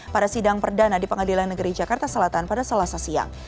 pada sidang perdana di pengadilan negeri jakarta selatan pada selasa siang